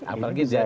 apalagi dia tuh